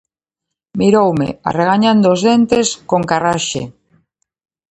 Miroume arregañando os dentes con carraxe.